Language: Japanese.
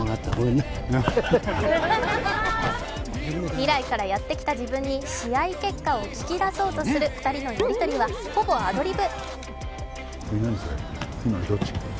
未来からやってきた自分に試合結果を聞き出そうとする２人のやりとりは、ほぼアドリブ。